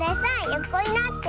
よこになって。